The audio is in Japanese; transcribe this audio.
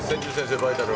バイタルは？